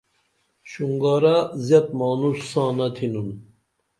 شُنگارہ زییت مانُڜ سانہ تھینُن